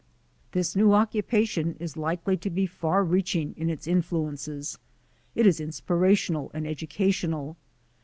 This new occupation is likely to be far reaching in its influences; it is inspirational and educational.